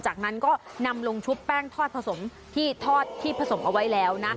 จากนั้นก็นำลงชุบแป้งทอดผสมที่ทอดที่ผสมเอาไว้แล้วนะ